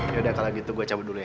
ya udah kalo gitu gue cabut dulu ya